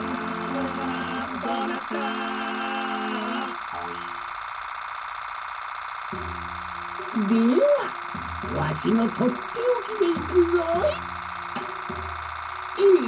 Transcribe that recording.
「どうなった？」ではわしのとっておきでいくぞい！え